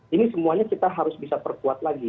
ini semuanya kita harus bisa perkuat lagi